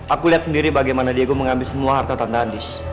aku lihat sendiri bagaimana diego mengambil semua harta tanda anies